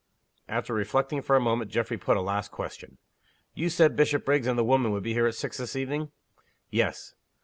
After reflecting for a moment, Geoffrey put a last question. "You said Bishopriggs and the woman would be here at six this evening." "Yes."